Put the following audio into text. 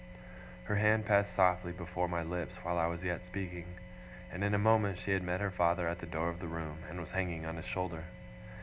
Her hand passed softly before my lips while I was yet speaking, and in a moment she had met her father at the door of the room, and was hanging on his shoulder.